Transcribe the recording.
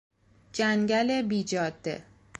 جنگل بی جاده